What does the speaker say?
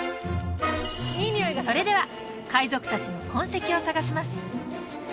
それでは海賊達の痕跡を探します